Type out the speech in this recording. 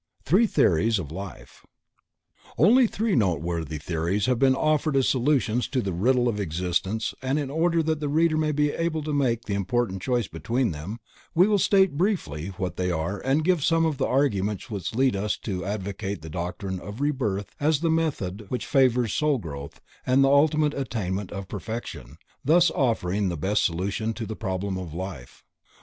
Three Theories of Life. Only three noteworthy theories have been offered as solutions to the riddle of existence and in order that the reader may be able to make the important choice between them, we will state briefly what they are and give some of the arguments which lead us to advocate the doctrine of Rebirth as the method which favors soul growth and the ultimate attainment of perfection, thus offering the best solution to the problem of life.